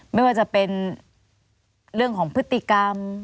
ไม่ว่าจะเป็นเรื่องของพฤติกรรม